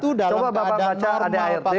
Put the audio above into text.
coba bapak baca ada art